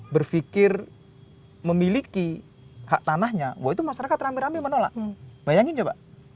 berpikir memiliki hak tanahnya wah itu masyarakat rame rame menolak bayangin coba